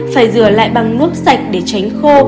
phải rửa lại bằng nước sạch để tránh khô